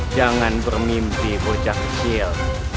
jangan bermimpi bojak sil